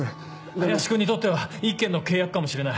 林君にとっては１件の契約かもしれない。